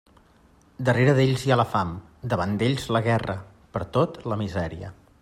Darrere d'ells hi ha la fam, davant d'ells la guerra, pertot la misèria.